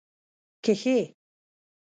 کښې